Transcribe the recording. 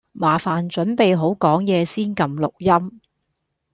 麻煩準備好講嘢先㩒錄音